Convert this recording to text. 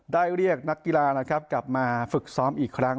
เรียกนักกีฬานะครับกลับมาฝึกซ้อมอีกครั้ง